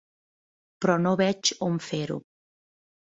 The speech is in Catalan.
Però no veig on fer-ho.